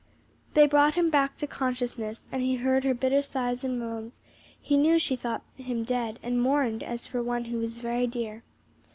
They brought him back to consciousness, and he heard her bitter sighs and moans; he knew she thought him dead and mourned as for one who was very dear.